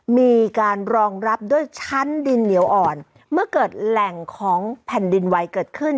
มีการรองรับด้วยชั้นดินเหนียวอ่อนเมื่อเกิดแหล่งของแผ่นดินไวเกิดขึ้น